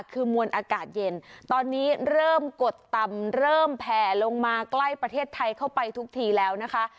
คือมวลอากาศเย็นตอนนี้เริ่มกดต่ำเริ่มแผ่ลงมาใกล้ประเทศไทยเข้าไปทุกทีแล้วนะคะ